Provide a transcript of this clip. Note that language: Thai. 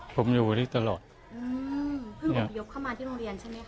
ผมอยู่นี่ตลอดอืมเพิ่งอบพยพเข้ามาที่โรงเรียนใช่ไหมค